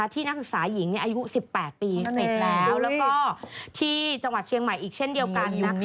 ที่นักศึกษาหญิงอายุ๑๘ปีเสร็จแล้วแล้วก็ที่จังหวัดเชียงใหม่อีกเช่นเดียวกัน